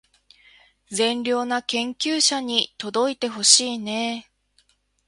善良な研究者に届いてほしいねー